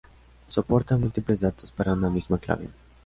Soporta múltiples datos para una misma clave.